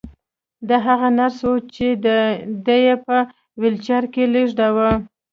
دا هغه نرس وه چې دی یې په ويلچر کې لېږداوه